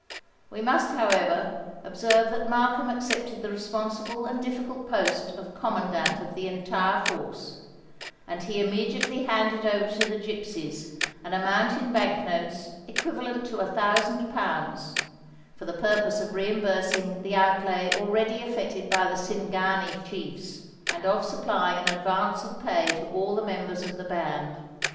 We must, however, observe that Markham accepted the responsible and difficult post of commandant of the entire force; and he immediately handed over to the gipsies an amount in bank notes equivalent to a thousand pounds, for the purpose of reimbursing the outlay already effected by the Cingani chiefs, and of supplying an advance of pay to all the members of the band.